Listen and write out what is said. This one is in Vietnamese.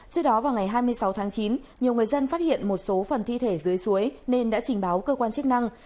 trước đó vào ngày hai mươi sáu tháng chín nhiều người dân phát hiện một số phần thi thể dưới suối nên đã trình báo cơ quan chức năng